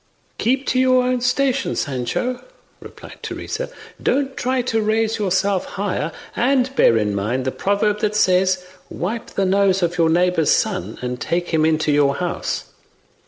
"Keep to your own station, Sancho," replied Teresa; "don't try to raise yourself higher, and bear in mind the proverb that says, 'wipe the nose of your neigbbour's son, and take him into your house.